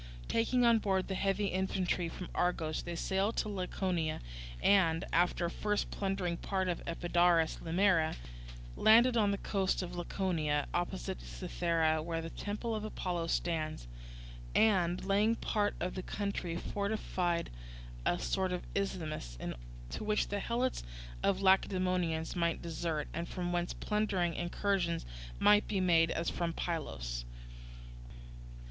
Taking on board the heavy infantry from Argos they sailed to Laconia, and, after first plundering part of Epidaurus Limera, landed on the coast of Laconia, opposite Cythera, where the temple of Apollo stands, and, laying waste part of the country, fortified a sort of isthmus, to which the Helots of the Lacedaemonians might desert, and from whence plundering incursions might be made as from Pylos.